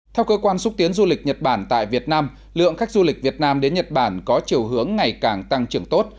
theo cơ quan xúc tiến du lịch nhật bản tại việt nam lượng khách du lịch việt nam đến nhật bản có chiều hướng ngày càng tăng trưởng tốt